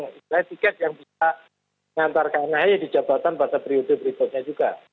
pengaruh untuk menjaga kepentingan yang bisa diantarkan ahi di jabatan pak tabri udeh berikutnya juga pak muredi